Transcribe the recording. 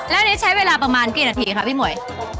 แล้วอันนี้ใช้เวลาประมาณกี่นาทีคะพี่หมวย